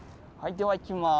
ではいきます。